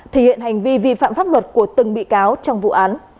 thể hiện hành vi vi phạm pháp luật của từng bị cáo trong vụ án